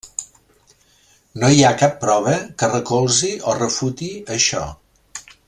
No hi ha cap prova que recolzi o refuti això.